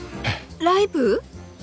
ライブ？